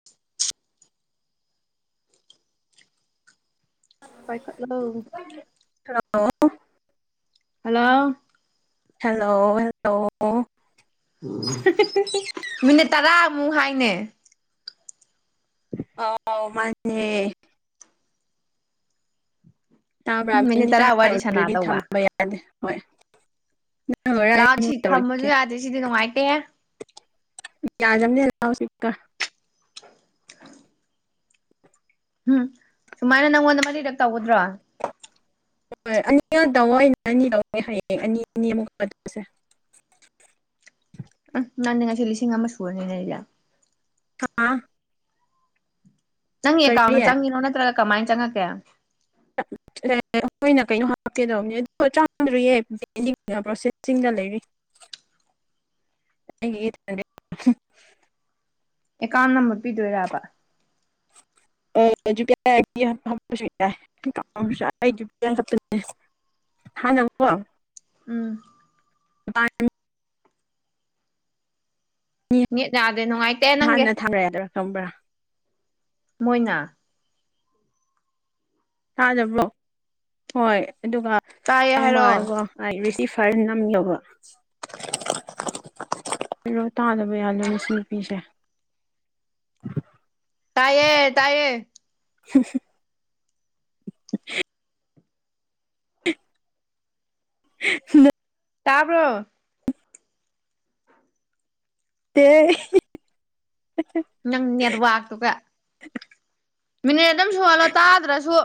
[unintelligible] ꯄꯥꯏꯈꯠꯂꯣ hello hello hello hello minute ꯇꯔꯥꯃꯨꯛ ꯍꯥꯏꯅꯦ ꯑꯣꯥꯎ ꯃꯥꯅꯦꯅꯦ ꯇꯥꯕ꯭ꯔꯥ ꯃꯤꯅꯤꯠ ꯇꯔꯥ ꯋꯥꯔꯤ ꯁꯥꯟꯅ ꯇꯔꯥꯗꯗꯤ ꯇꯧꯕ ꯊꯝꯕ ꯌꯥꯗꯦ ꯍꯣꯏ ꯅꯪ ꯂꯣꯏꯔ ꯑꯩ ꯂꯥꯛꯑꯣ ꯁꯤ ꯑꯃꯨꯛ ꯊꯝꯃꯁꯨ ꯌꯥꯗꯦ ꯁꯤꯗꯤ ꯅꯨꯡꯉꯥꯏꯇꯦ ꯌꯥꯖꯝꯅꯦ ꯁꯤꯀ ꯎꯝ ꯁꯨꯃꯥꯏꯅ ꯅꯪꯉꯣꯟꯗ ꯃꯔꯤꯔꯛ ꯇꯧꯒꯗ꯭ꯔꯣ ꯍꯣꯏ ꯑꯅꯤ ꯉ ꯇ ꯑꯩꯅ ꯑꯅꯤ ꯂꯧꯦ ꯍꯌꯦꯡ ꯑꯅꯤ ꯑꯅꯤꯃꯨꯛꯁꯦ ꯎꯝ ꯅꯥꯟꯅꯦ ꯉꯁꯤ ꯂꯤꯁꯤꯡ ꯑꯃ ꯁꯨꯔꯅꯤ ꯂꯩꯂ ꯍꯥꯥ ꯆꯪꯉꯦ ꯀꯔꯤ ꯀꯥꯎꯅꯣ ꯆꯪꯉꯤꯅꯣ ꯅꯠꯇ꯭ꯔꯒ ꯀꯃꯥꯏꯅ ꯆꯪꯉꯛꯀꯦ ꯑꯝ ꯑꯦ ꯑꯩꯈꯣꯏꯅ ꯀꯩꯅꯣ ꯍꯥꯞꯀꯦꯗꯧꯕꯅꯦ ꯑꯗꯨꯗ ꯄ꯭ꯔꯣꯁꯦꯁꯤꯡꯗ ꯂꯩꯔꯤ ꯒ [unintelligible] ꯑꯦꯀꯥꯎꯟ ꯅꯝꯕꯨꯠ ꯄꯤꯗꯣꯏꯔꯕ ꯑ ꯍꯥꯟ ꯅꯪꯉꯣ ꯎꯝ ꯑ ꯅꯦꯠ ꯌꯥꯗꯦ ꯅꯨꯡꯉꯥꯏꯇꯦ ꯅꯪꯒꯤ ꯍꯥꯟꯅ ꯊꯥꯅ ꯌꯥꯗꯣꯏꯔꯥ ꯈꯝꯕ꯭ꯔꯥ ꯃꯣꯏꯅ ꯊꯥꯖꯕ꯭ꯔꯣ ꯍꯣꯏ ꯑꯗꯨꯒ ꯇꯥꯏꯌꯦ ꯍꯥꯏꯔꯛꯑꯣ ꯆꯪꯕꯀꯣ ꯑꯩ ꯔꯤꯇꯐꯔ ꯅꯝꯂꯕ ꯑꯔꯣ ꯇꯥꯗꯕ ꯌꯥꯂꯣ ꯉꯁꯤ ꯅꯨꯄꯤꯁꯦ ꯇꯥꯏꯌꯦ ꯇꯥꯏꯌꯦ ꯁꯨ [unintelligible] ꯎ ꯇꯥꯕꯔꯣ꯫ ꯑꯦ ꯅꯪ ꯅꯦꯠꯋꯥꯛꯇꯨꯒ ꯃꯤꯅꯤꯠ ꯑꯗꯨꯝ ꯁꯨꯍꯜꯂꯣ ꯇꯥꯗ꯭ꯔꯁꯨ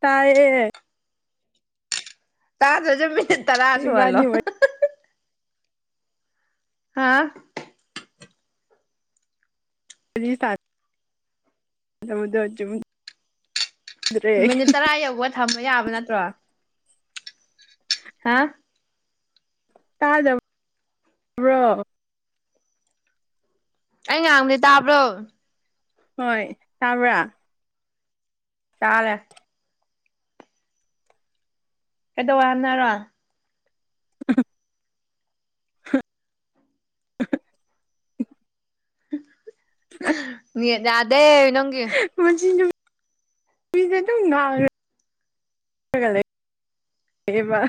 ꯇꯥꯏꯌꯦ [unintelligible] ꯇꯂꯥꯥꯁꯨꯂꯣ ꯏꯕꯥꯅꯤ ꯋꯥꯔꯤ ꯍꯥꯥ [unintelligible] ꯃꯤꯅꯤꯠ ꯇꯔꯥ ꯌꯧꯕ ꯊꯝꯕ ꯌꯥꯕ ꯅꯠꯇ꯭ꯔꯣ ꯍꯥ ꯇꯥꯗ ꯕ꯭ꯔꯣ ꯑꯩ ꯉꯥꯡꯕꯗꯤ ꯇꯥꯕ꯭ꯔꯣ ꯍꯣꯏ ꯇꯕ꯭ꯔꯥ ꯆꯥꯂꯦ ꯀꯩꯗꯧ ꯍꯥꯏꯅꯔꯣ [unintelligible] ꯃꯤ ꯌꯥꯗꯦ ꯅꯪꯒꯤ ꯄꯨꯟꯁꯤꯁ ꯑꯗꯨꯝ ꯉꯥꯡ ꯒꯦꯕ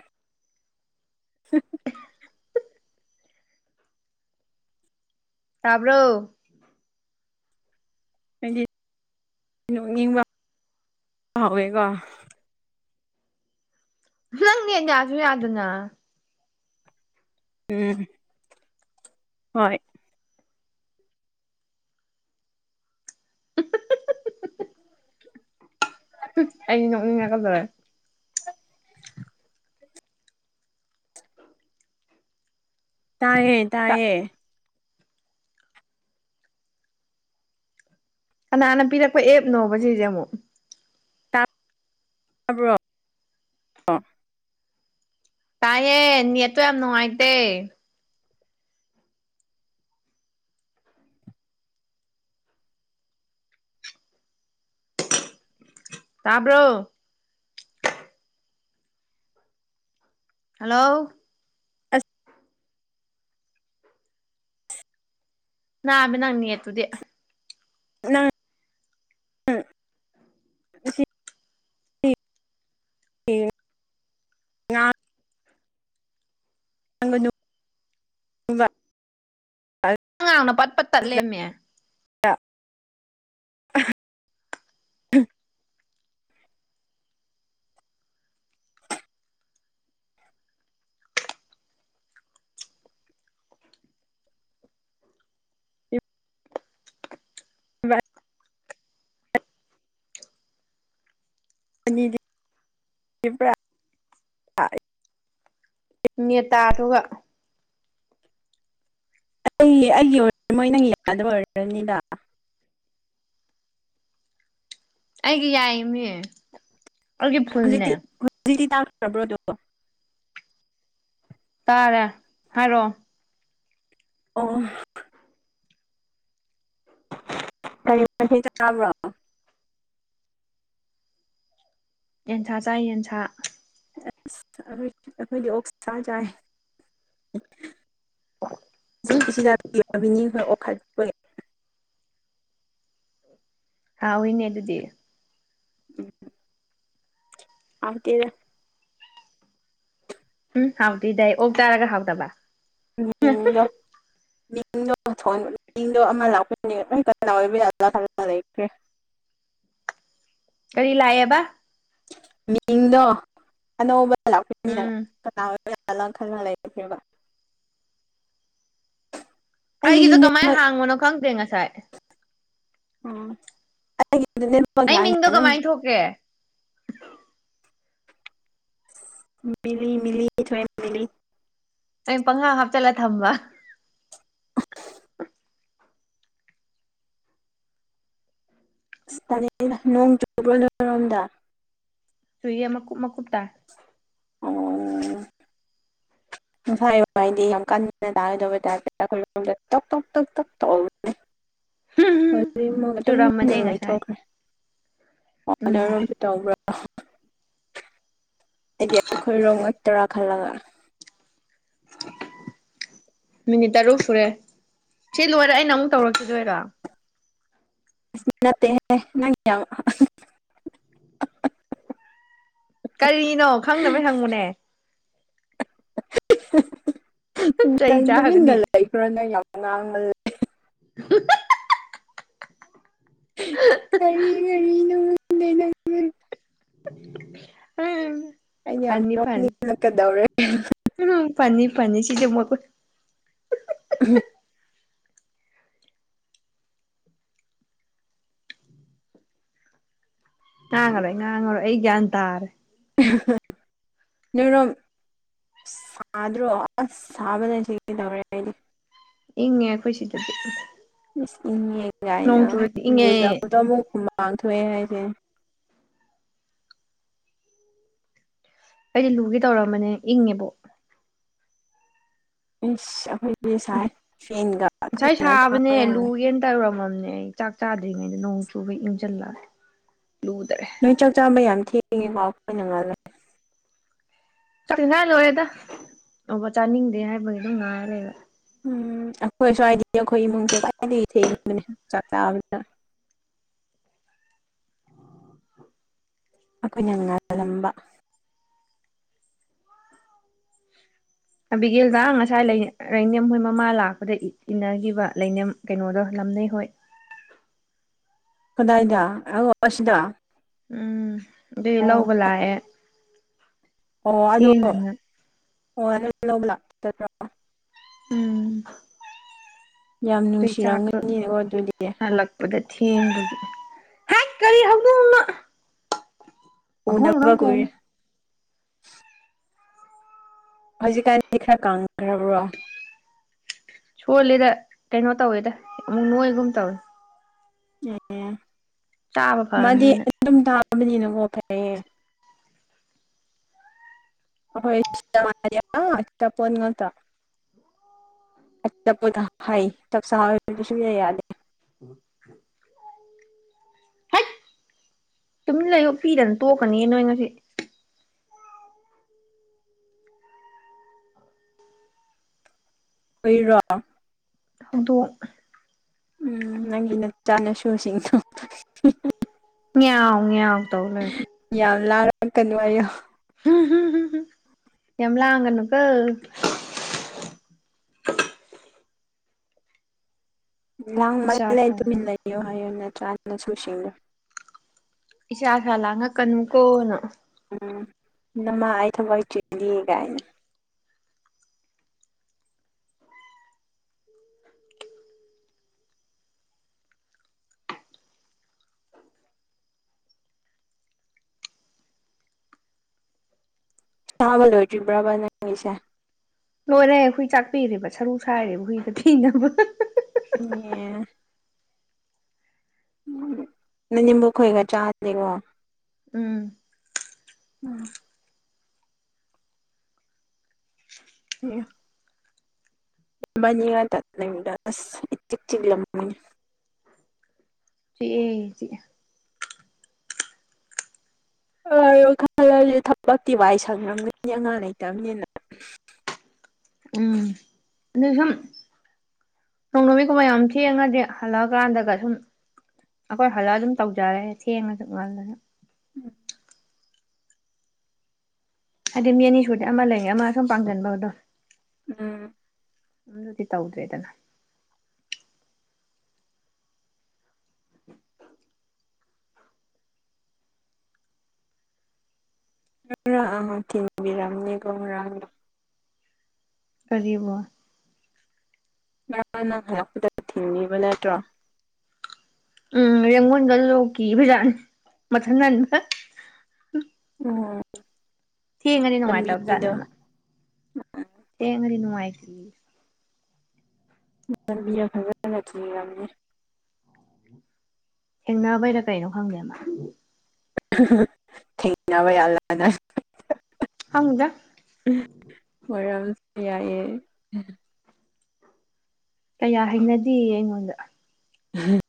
ꯇꯥꯕ꯭ꯔꯣ ꯍꯥꯏꯗꯤ ꯅꯣꯛꯅꯤꯡꯕ ꯍꯥꯎꯋꯦꯀꯣ ꯅꯪꯅꯦ ꯌꯥꯁꯨ ꯌꯥꯗꯅ ꯎꯝ ꯍꯣꯏ [inaudible] ꯑꯩꯩ ꯅꯣꯛꯅꯤꯡꯉꯛꯀꯗꯧꯔꯦ ꯇꯥꯏꯌꯦ ꯇꯥꯏꯌꯦ ꯀꯅꯥꯅ ꯄꯤꯔꯛꯄ ꯑꯦꯞꯅꯣꯕ ꯁꯤꯁꯦ ꯑꯃꯨꯛ ꯇꯥꯕ꯭ꯔꯣ ꯇꯥꯏꯌꯦ ꯅꯠꯇꯣ ꯌꯥꯝ ꯅꯨꯡꯉꯥꯏꯗ ꯇꯥꯕ꯭ꯔꯣ ꯍꯜꯂꯣ ꯑꯁ ꯅꯕꯤ ꯅꯪ ꯅꯠꯇꯨꯗꯤ ꯅꯪ ꯁꯤ [unintelligible] ꯉꯥꯡꯅ ꯄꯠꯄꯠ ꯇꯠꯂꯃꯦ ꯎꯝ [unintelligible] ꯅꯦꯇꯥꯗꯨꯒ ꯑꯩ ꯑꯩꯒꯤ ꯑꯣꯏ ꯃꯣꯏ ꯅꯪ ꯌꯥꯗꯕ ꯑꯣꯏꯔꯅꯤꯗ ꯑꯩꯒꯤ ꯌꯥꯏꯃꯤ ꯑꯩꯒꯤ ꯐꯨꯜꯅꯦ ꯍꯧꯖꯤꯛꯇꯤ ꯍꯧꯖꯤꯛꯇꯤ ꯇꯥꯛꯈ꯭ꯔꯕ꯭ꯔꯣ ꯑꯗꫭ ꯇꯥꯔꯦ ꯍꯥꯏꯔꫭ ꯑꯣ [unintelligible] ꯌꯦꯟꯁꯥ ꯆꯥꯏ ꯌꯦꯟꯁꯥ ꯑꯩꯈꯣꯏ ꯑꯩꯈꯣꯏꯗꯤ [unintelligible] ꯁꯥꯖꯥꯏ [unintelligible] ꯍꯥꯎꯏꯅꯦ ꯑꯗꯨꯗꯤ ꯎꯝ [unintelligible] ꯎꯝ ꯍꯥꯎꯗ ꯏꯗꯦ ꯍ ꯑꯣꯛ ꯇꯔꯒ ꯍꯥꯎꯗꯕ [unintelligible] [unintelligible] ꯀꯔꯤ ꯂꯥꯛꯑꯦꯕ ꯃꯤꯡꯗꯣ ꯑꯅꯧꯕ ꯂꯥꯛꯄꯤꯏꯅꯤꯅ ꯎꯝ ꯀꯅꯥ ꯀꯔꯥ ꯂꯪ ꯈꯔ ꯂꯪ ꯂꯩꯁꯦꯕ ꯑꯩꯒꯤꯗꯤ ꯑꯩꯒꯤꯗꯣ ꯀꯃꯥꯏꯅ ꯅꯦꯠꯋꯥꯛ ꯍꯥꯡꯕꯅꯣ ꯈꯪꯗꯦ ꯉꯁꯥꯏ [inaudible] ꯑꯩ ꯃꯤꯡꯗꯣ ꯅꯪꯒꯤ ꯀꯃꯥꯏꯅ ꯊꯣꯛꯀꯦ ꯃꯤꯂꯤ ꯃꯂꯤ ꯊ [inaudible] ꯑꯩꯅ ꯄꯪꯈꯥ ꯍꯥꯞꯆꯜꯂ ꯊꯝꯕ ꯅꯣꯡ ꯆꯨꯕ꯭ꯔꯣꯔꯣꯝꯗ ꯁꯨꯏꯌꯥ ꯃꯀꯨꯨꯞ ꯃꯀꯨꯞ ꯇ ꯑꯣ [unintelligible] ꯆꯨꯔꯝꯕꯅꯦ [unintelligible] ꯉꯁꯥꯏ ꯂꯩꯊꯣꯛꯈ꯭ꯔꯦ ꯑꯣ ꯎꯝ ꯑꯣꯅꯔꯣꯝꯁꯨ ꯇꯧꯕ꯭ꯔꯥ ꯍꯥꯏꯗꯤ ꯑꯩꯈꯣꯏꯔꯣ ꯇꯔꯥ ꯈꯜꯂꯒ ꯃꯤꯅꯤꯠ ꯇꯔꯨꯛ ꯁꯨꯔꯦ ꯁꯤ ꯂꯣꯏꯔꯦ ꯑꯩꯅ ꯑꯃꯨꯛ ꯇꯧꯔꯛꯈꯤꯗꯣꯏꯔꯣ [unintelligible] ꯀꯔꯤꯅꯣ ꯈꯪꯗꯕꯩ ꯍꯪꯕꯅꯦ ꯆꯩ ꯂꯗ ꯃꯤꯗ ꯆꯥꯒꯅꯤ ꯂ ꯌꯥꯝ ꯉꯥꯡ ꯎ ꯍ ꯀꯔꯤ ꯀꯔꯤꯅꯨꯡ ꯎꯝ ꯑꯩꯅ ꯌꯥꯝ ꯐꯅꯤ ꯐꯅꯤ ꯅꯣꯛꯅꯤꯡꯉꯛꯀꯗꯧꯔꯦ ꯎꯝ ꯄꯅꯤꯤ ꯐꯅꯤꯤ ꯁꯤꯤꯗꯤꯦ ꯃ [inaudible] ꯉꯥꯡꯔꯣꯏ ꯉꯥꯡꯣ ꯑꯩꯒ ꯇꯥꯔꯦ ꯅꯅꯣ ꯁꯥꯗ꯭ꯔꯣ ꯑꯁ ꯁꯥꯕ ꯂꯩꯁꯤ ꯀꯩꯗꯧꯔꯦ ꯑꯩꯗꯤ ꯏꯪꯉꯦ ꯑꯩꯈꯣꯏ ꯁꯤꯗꯗꯤ ꯏꯟꯉꯦ ꯅꯣꯡ ꯀꯥꯏꯅ ꯆꯨꯔꯗꯤ ꯏꯪꯉꯦ ꯂꯨꯖꯕꯗ ꯑꯃꯨꯛꯃꯥꯡꯊꯣꯛꯑꯦ ꯍꯥꯏꯁꯦ ꯑꯩꯗꯤ ꯂꯨꯒꯦ ꯇꯧꯔꯝꯕꯅꯦ ꯏꯪꯉꯦꯕꯣ ꯃꯤꯁ ꯑꯩꯈꯣꯏꯒꯤ ꯁꯥꯏ ꯐꯦꯟꯒ ꯑꯩꯣꯏꯅ ꯊ ꯇꯧꯔꯝꯃꯝꯅꯦ ꯑꯩ ꯆꯥꯛ ꯆꯥꯗ꯭ꯔꯤꯉꯩꯗ ꯅꯣꯡ ꯆꯨꯕ ꯏꯪꯁꯤꯜꯂꯒ ꯂꯨꯗ꯭ꯔꯦ ꯅꯣꯏ ꯆꯥꯛ ꯆꯥꯕ ꯌꯥꯝ ꯊꯦꯡꯉꯤꯀꯣ ꯑꯩꯈꯣꯏꯅꯉꯜꯂ ꯆꯥꯛꯅꯤꯡꯉꯥꯏ ꯂꯣꯏꯔꯦꯗ ꯑꯣꯕ ꯆꯥꯅꯤꯡꯗꯦ ꯍꯥꯏꯕꯒꯤ ꯑꯗꯨꯝ ꯉꯥꯏꯔ ꯂꯩꯕ ꯎꯝ ꯑꯩꯈꯣꯏ ꯁ꯭ꯋꯥꯏꯗꯤ ꯑꯩꯈꯣꯏ ꯏꯃꯨꯡꯁꯦ ꯈ꯭ꯋꯥꯏꯗꯒꯤ ꯊꯦꯡꯕꯅꯦ ꯆꯥꯛ ꯆꯥꯕꯅꯤꯗ ꯑꯩꯈꯣꯏꯅ ꯉꯥꯜꯂꯝꯝꯕ ꯑꯕꯤꯒꯦꯜꯗ ꯉꯁꯥꯏ ꯂꯅꯦꯝ ꯍꯣꯏ ꯃꯃꯥ ꯂꯥꯛꯄꯗ ꯏꯟꯅꯈꯤꯕ ꯂꯩꯅꯦꯝ ꯀꯩꯅꯣꯗꯣ ꯂꯝꯅꯩ ꯍꯣꯏ ꯀꯗꯥꯏꯗ ꯑ ꯑꯁꯤ ꯑꯁꯤꯗ ꯎꯝ ꯑꯗꯨꯏ ꯑꯣ ꯂꯧꯕ ꯂꯥꯛꯑꯦ ꯑꯣ ꯑꯗꯣ ꯊꯦꯡꯅꯅ ꯍ ꯂꯧꯕ ꯂꯥꯛꯄꯠꯇ꯭ꯔꯣ ꯎꯝ ꯌꯥꯝ ꯅꯨꯡꯁꯤꯔꯝꯒꯅꯤꯀꯣ ꯑꯗꯨꯗꯤ ꯗ ꯊꯦꯡꯕ ꯍꯦꯛ ꯀꯔꯤ ꯍꯧꯗꯣꯡꯅ ꯎ ꯅꯕ ꯀ ꯍꯧꯖꯤꯛꯀꯥꯟꯗꯤ ꯈꯔ ꯀꯪꯈ꯭ꯔꯕ꯭ꯔꯣ ꯁꯣꯂꯦꯗ ꯀꯩꯅꯣ ꯇꯧꯋꯦꯗ ꯑꯃꯨꯛ ꯅꯣꯏꯒꯨꯝ ꯇꯧꯅꯤ ꯑꯦ ꯆꯥꯕ ꯃꯥꯗꯤ ꯐꯔꯕꯅꯤꯅ ꯑꯗꯨꯝ ꯇꯥꯕꯅꯤꯅꯀꯣ ꯐꯔꯌꯦ ꯍꯣꯏ ꯇꯥꯄ ꯉꯇꯥ ꯑꯄꯊ ꯍꯥꯏ ꯆꯞ ꯁ ꯌꯥꯗ ꯑꯣ ꯍꯦꯛ ꯇꯃꯤ ꯂꯩꯌꯨ ꯄꯤꯗꯅ ꯇꯣꯛꯀꯅꯤ ꯅꯣꯏ ꯉꯁꯤ ꯑꯣꯏꯨꯏꯔꯣ ꯍꯧꯗꯣ ꯎꯝ ꯅꯪꯒꯤ ꯅꯆꯥꯅꯁꯨꯁꯤꯡꯗꯣ ꯌꯦ ꯉ ꯇꯧ ꯂꯩꯣꯏ ꯌꯥꯝ ꯂꯥꯔꯀꯅꯉꯣ ꯌꯥꯝꯂꯒꯟꯅꯨꯀ ꯏꯆꯥ ꯂꯥꯡꯃꯜꯂ ꯇꯨꯃꯤꯟ ꯁꯥꯅ ꯂꯩꯌꯣ ꯍꯥꯏꯌꯨ ꯅꯠꯇ꯭ꯔꯥꯅ ꯁꯨ ꯁꯤꯡꯂꯣ ꯏꯁꯥ ꯁꯥ ꯂꯥꯡ ꯉ ꯀꯟ ꯑꯃꯨꯛ ꯀꯣꯅꯣ ꯎꯝ ꯅꯃꯥ ꯑꯩ ꯊꯕꯛ ꯆꯦꯟꯜꯂꯤ ꯀꯥꯏꯅ ꯆꯥꯕ ꯂꯣꯏꯗ꯭ꯔꯤꯕ꯭ꯔꯕ ꯅꯪꯁꯦ ꯂꯣꯏꯔꯦ ꯍꯨꯏ ꯆꯥꯛꯄꯤꯔꯦꯕ ꯁꯔꯨ ꯁꯥꯏꯔꯦꯕ ꯍꯨꯏꯗ ꯊꯤꯅꯕ ꯎ ꯎ ꯅꯪꯅꯤꯝꯕꯨ ꯈꯣꯏꯒ ꯆꯥꯗꯦꯀꯣ ꯎꯝ ꯎꯝ ꯑꯦ ꯅꯤ ꯇꯠꯅꯕꯤꯗꯥꯥꯁ ꯏꯤꯛꯆꯤ ꯂꯅꯤ ꯁꯤ ꯑ ꯈꯜꯂꯁꯦ ꯊꯕꯛꯇꯤ ꯚꯥꯏ ꯁꯪꯉꯝꯒꯅꯤ ꯑꯉꯥꯡ ꯂꯩꯇꯕꯅꯤꯅ ꯎꯝ ꯑꯗ ꯁꯨꯝ ꯅꯣꯡꯅꯃꯤꯠꯀꯨꯝꯕ ꯌꯥꯝ ꯊꯦꯡꯉꯗꯤ ꯍꯜꯂꯛꯑꯀꯥꯟꯗꯒ ꯁꯨꯝ ꯑꯩꯈꯣꯏ ꯍꯜꯂꯛ ꯑꯗꯨꯝ ꯇꯧꯖꯔꯦ ꯊꯦꯡꯉꯁꯨ ꯃꯥꯜꯂꯒ ꯎꯝ ꯍꯥꯏꯗꯤ ꯃꯤ ꯑꯅꯤ ꯁꯨꯗꯤ ꯑꯃ ꯂꯩꯌꯦ ꯑꯃ ꯁꯨꯝ ꯄꯥꯡꯁꯤꯟꯕꯗꯣ ꯎꯝ ꯑꯗꯨꯗꯨꯗꯤ ꯇꯧꯗ꯭ꯔꯦꯗꯅ ꯑ ꯇꯤꯟꯕꯤꯔꯝꯅꯤ ꯀꯔꯥꯡ ꯀꯔꯤꯕ ꯉꯔ ꯅꯪ ꯍꯥꯏꯔꯛꯄꯗ ꯊꯤꯡꯉꯕ ꯅꯠꯇ꯭ꯔꯣ ꯎꯝ ꯔꯦꯡꯒꯣꯟꯗ ꯂꯣꯛꯀꯤ ꯐꯖꯥ ꯃꯊꯟ ꯅꯟ ꯎꯝ ꯊꯦꯡꯉꯗꯤ ꯂꯝꯕꯤꯗꯣ ꯅꯨꯡꯉꯥꯏꯇꯕꯖꯥꯠꯅꯦꯃ ꯇꯦꯡꯪꯅꯅꯨꯡꯉꯥꯏꯛꯂꯤ ꯂꯝꯕꯤ ꯌꯥꯝ ꯐꯖꯖꯅ ꯊꯤ ꯌꯥꯝꯅꯤ ꯊꯦꯡꯅꯕꯩꯔ ꯀꯩꯅꯣ ꯈꯪꯗꯦꯃ ꯊꯦꯡꯅꯕ ꯌꯥꯜꯂꯅ ꯍꯉꯗ ꯃꯔꯝꯁꯨ ꯌꯥꯏꯌꯦ ꯀꯌꯥ ꯍꯅꯗꯦ ꯑꯩꯉꯣꯟꯗ ꯎꯝ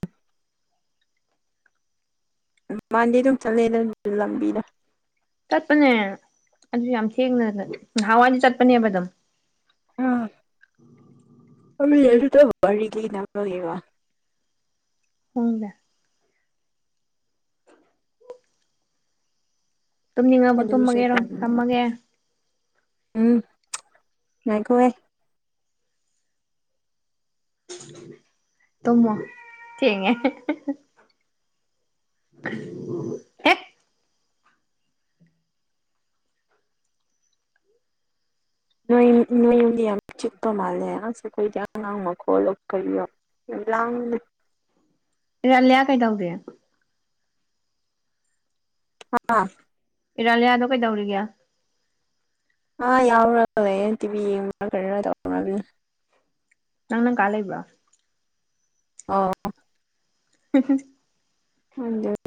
ꯎꯝ ꯃꯥꯟꯗꯦ ꯑꯗꯨꯝ ꯆꯠꯂꯦꯗ ꯂꯝꯕꯤꯗ ꯆꯠꯄꯅꯦ ꯑꯗꯨꯁꯨ ꯌꯥꯝ ꯊꯦꯡꯅ ꯅꯍꯥꯟꯋꯥꯏꯗꯤ ꯆꯠꯄꯅꯦꯕ ꯑꯗꯨꯝ ꯎꯝ [unintelligible] ꯎꯃꯤ ꯇ ꯍꯔꯤ ꯂꯅ ꯂꯒꯦꯒ ꯎꯝꯗ ꯇꯨꯝꯅꯤꯡꯉꯕ ꯑꯗꯨꯒꯤꯁꯨ ꯇꯨꯝꯃꯒꯦꯔꯣ ꯇꯟꯕ ꯊꯝꯃꯒꯦ ꯎꯝ ꯉꯥꯛꯈꯋꯦ ꯇꯨꯝꯃꯣ ꯊꯦꯡꯉꯦ ꯑꯦ ꯅꯣꯏ ꯅꯣꯏ ꯗꯤ ꯌꯥꯝ ꯆꯤꯛꯄ ꯃꯥꯜꯂꯦ ꯑꯁ ꯑꯩꯈꯣꯏꯗꯤ ꯑꯉꯥꯡ ꯃꯈꯈꯣꯜꯂꯣ ꯀꯩꯌꯣ [unintelligible] ꯑꯂꯂꯤꯌꯥ ꯀꯩꯗꯧꯗꯦ [unintelligible] ꯏꯔꯥꯂꯤꯌꯥꯗꯣ ꯀꯩꯗꯧꯔꯤꯒꯦ [unintelligible] [unintelligible] ꯅꯪ ꯅꯪ ꯀꯥ ꯂꯩꯕ ꯑꯣꯥ ꯎꯝ ꯍ